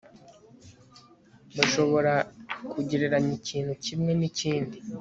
bashobora kugereranya ikintu kimwe n'ikindi